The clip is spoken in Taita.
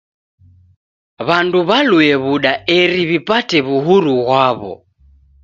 W'andu w'alue w'uda eri w'ipate w'uhuru ghwaw'o.